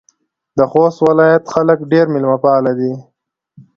د خوست ولایت خلک ډېر میلمه پاله دي.